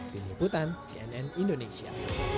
penyeputan cnn indonesia